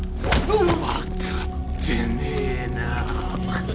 分かってねえな。